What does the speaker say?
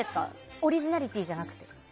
オリジナリティーじゃなくて。